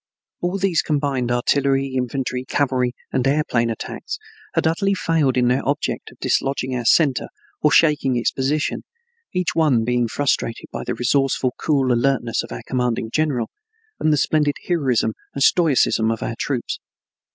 All these combined artillery, infantry, cavalry, and aeroplane attacks had utterly failed in their object of dislodging our center or shaking its position, each one being frustrated by the resourceful, cool alertness of our commanding general and the splendid heroism and stoicism of our troops.